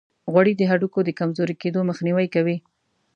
غوړې د هډوکو د کمزوري کیدو مخنیوي کوي.